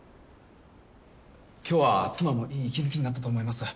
今日は妻もいい一日になったと思います。